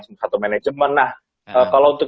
sebuah management nah kalau untuk